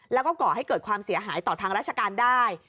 แล้วก็ก่อให้เกิดความเสียหายต่อทางราชการได้